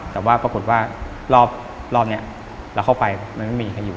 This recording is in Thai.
แต่ว่าปรากฏว่ารอบนี้เราเข้าไปมันไม่มีใครอยู่